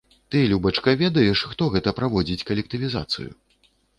Ты, любачка, ведаеш, хто гэта праводзіць калектывізацыю?